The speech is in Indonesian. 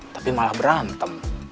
tapi malah berantem